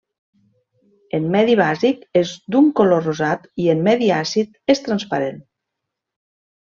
En medi bàsic és d'un color rosat i en medi àcid és transparent.